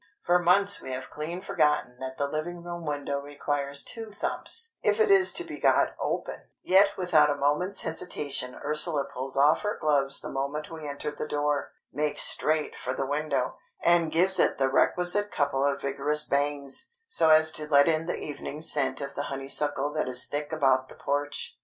For months we have clean forgotten that the living room window requires two thumps if it is to be got open; yet without a moment's hesitation Ursula pulls off her gloves the moment we enter the door, makes straight for the window, and gives it the requisite couple of vigorous bangs, so as to let in the evening scent of the honeysuckle that is thick about the porch.